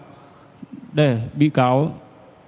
để bị cáo có thể sống trở về hay là bị cáo phải chết